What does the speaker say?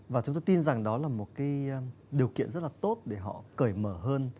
và chúng tôi tin rằng đó là một cái điều kiện rất là tốt để họ cởi mở hơn